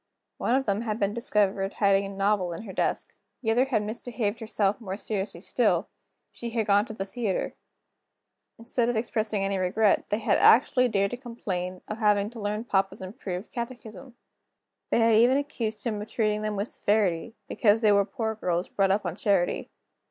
One of them had been discovered hiding a novel in her desk. The other had misbehaved herself more seriously still she had gone to the theater. Instead of expressing any regret, they had actually dared to complain of having to learn papa's improved catechism. They had even accused him of treating them with severity, because they were poor girls brought up on charity.